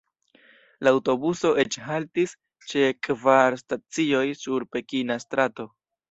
La aŭtobuso eĉ haltis ĉe kvar stacioj sur pekina strato.